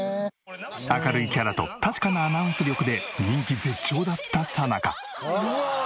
明るいキャラと確かなアナウンス力で人気絶頂だったさなか。